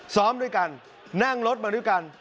ซ้อมด้วยกันนั่งรถมาด้วยกัน